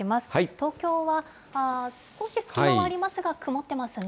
東京は少し隙間はありますが、曇ってますね。